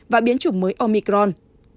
và biến chủng mới omicron